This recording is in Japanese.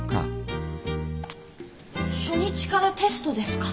初日からテストですか？